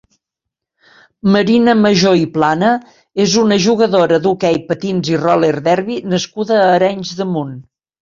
Marina Majó i Plana és una jugadora d'hoquei patins i roller derby nascuda a Arenys de Munt.